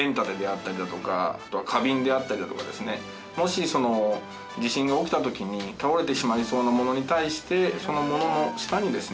もし地震が起きた時に倒れてしまいそうなものに対してそのものの下にですね